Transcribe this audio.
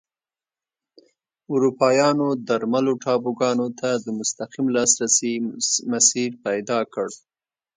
اروپایانو درملو ټاپوګانو ته د مستقیم لاسرسي مسیر پیدا کړ.